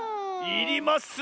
いります。